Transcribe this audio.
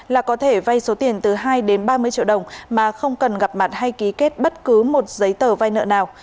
là có thể vay số tiền từ hai đến ba mươi triệu đồng mà không cần gặp mặt hay ký kết bất cứ một giấy tờ vay nợ nào